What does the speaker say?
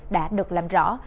đã được làm rõ